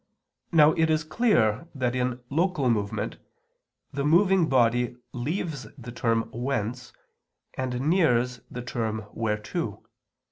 Now it is clear that in local movement the moving body leaves the term whence and nears the term _whereto.